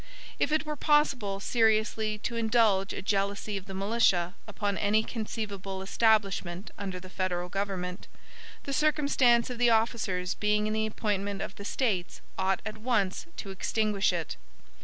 If it were possible seriously to indulge a jealousy of the militia upon any conceivable establishment under the federal government, the circumstance of the officers being in the appointment of the States ought at once to extinguish it.